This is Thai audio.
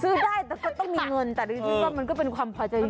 ซื้อได้ต้องมีเงินแต่อีกทีมันก็เป็นความพอใจ